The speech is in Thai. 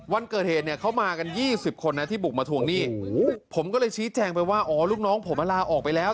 วันเกิดเหตุเนี่ยเขามากัน๒๐คนนะที่บุกมาทวงหนี้ผมก็เลยชี้แจงไปว่าอ๋อลูกน้องผมลาออกไปแล้ว